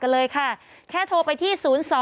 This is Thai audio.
เลยค่ะแค่โทรไปที่๐๒๗๙๓๗๕๕๕